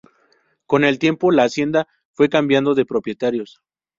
Con el tiempo, la hacienda fue cambiando de propietarios.